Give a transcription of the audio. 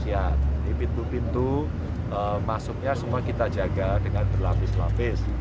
ya di pintu pintu masuknya semua kita jaga dengan berlapis lapis